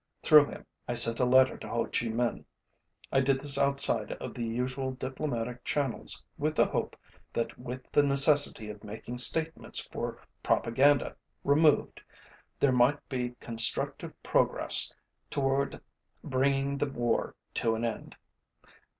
Through him I sent a letter to Ho Chi Minh. I did this outside of the usual diplomatic channels with the hope that with the necessity of making statements for propaganda removed, there might be constructive progress toward bringing the war to an end.